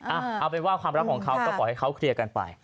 เอาเป็นว่าความรักของเขาก็ขอให้เขาเคลียร์กันไป